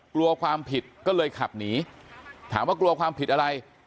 กลัวความผิดก็เลยขับหนีถามว่ากลัวความผิดอะไร